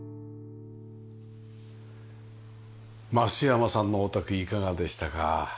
増山さんのお宅いかがでしたか？